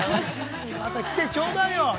◆また来てちょうだいよ。